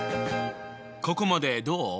ここまでどう？